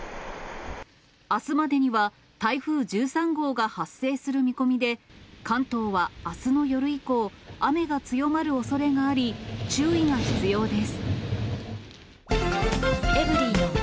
あすまでには台風１３号が発生する見込みで、関東はあすの夜以降、雨が強まるおそれがあり、注意が必要です。